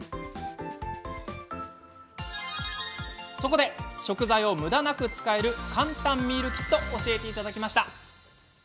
そこで、食材をむだなく使える簡単ミールキットを教えていただきました。